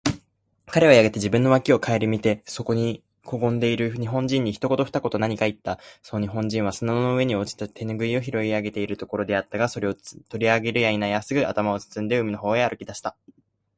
彼はやがて自分の傍（わき）を顧みて、そこにこごんでいる日本人に、一言（ひとこと）二言（ふたこと）何（なに）かいった。その日本人は砂の上に落ちた手拭（てぬぐい）を拾い上げているところであったが、それを取り上げるや否や、すぐ頭を包んで、海の方へ歩き出した。